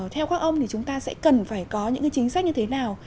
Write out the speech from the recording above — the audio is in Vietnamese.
theo các ông thì chúng ta sẽ cần phải có những chính sách như thế nào